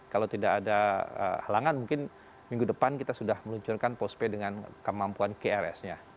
kalau tidak ada halangan mungkin minggu depan kita sudah meluncurkan postpay dengan kemampuan krs nya